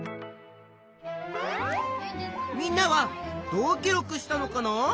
みんなはどう記録したのかな？